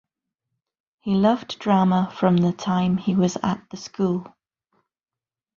He loved drama from the time he was at the school.